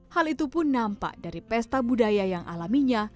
hal itu pun nampak dari pesta budaya yang alaminya